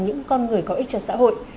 những con người có ích cho xã hội